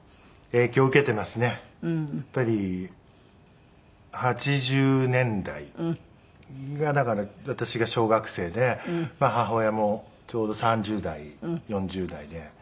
やっぱり８０年代がだから私が小学生でまあ母親もちょうど３０代４０代で。